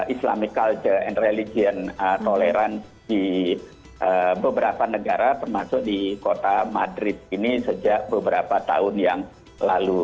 islamic culture and religion tolerance di beberapa negara termasuk di kota madrid ini sejak beberapa tahun yang lalu